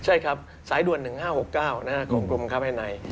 ใช่ครับสายด่วน๑๕๖๙กลมครับให้ไหน